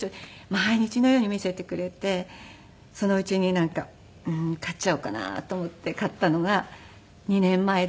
毎日のように見せてくれてそのうちになんか飼っちゃおうかなと思って飼ったのが２年前です。